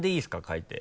書いて。